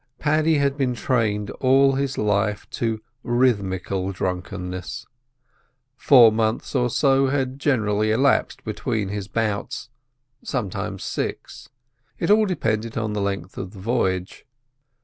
Paddy had been trained all his life to rhythmical drunkenness. Four months or so had generally elapsed between his bouts—sometimes six; it all depended on the length of the voyage.